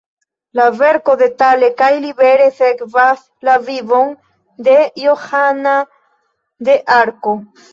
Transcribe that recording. La verko detale kaj libere sekvas la vivon de Johana de Arko.